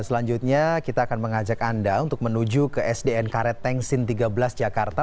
selanjutnya kita akan mengajak anda untuk menuju ke sdn karet tengsin tiga belas jakarta